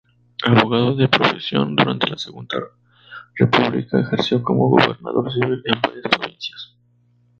Abogado de profesión, durante la Segunda República ejerció como gobernador civil en varias provincias.